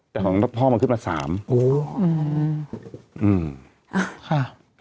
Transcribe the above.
แต่ของพ่อเขาเข้ามา๓